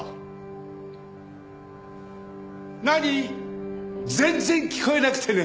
全然聞こえなくてね。